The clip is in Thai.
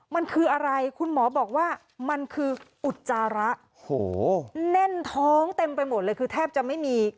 มันคืออะไรคุณหมอบอกว่ามันคืออุจจาระแน่นท้องเต็มไปหมดเลยคือแทบจะไม่มี